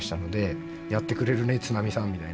やってくれるね津波さんみたいな。